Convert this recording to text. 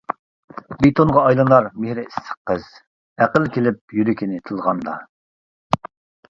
بېتونغا ئايلىنار مېھرى ئىسسىق قىز، ئەقىل كېلىپ يۈرىكىنى تىلغاندا.